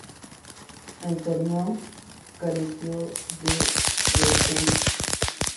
El torneo careció de descensos.